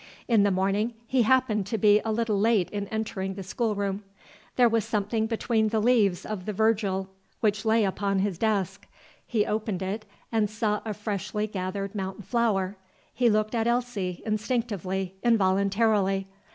In the morning he happened to be a little late in entering the schoolroom. There was something between the leaves of the Virgil which lay upon his desk. He opened it and saw a freshly gathered mountain flower. He looked at Elsie, instinctively, involuntarily.